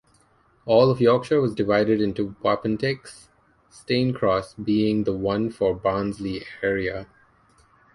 All of Yorkshire was divided into wapentakes, Staincross being the one for Barnsley area.